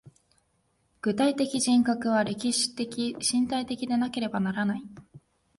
具体的人格は歴史的身体的でなければならない。